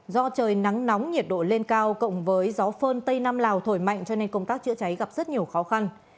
do trời nắng nóng nhiệt độ lên cao cộng với gió phơn tây nam lào thổi mạnh cho nên công tác chữa cháy gặp rất nhiều khó khăn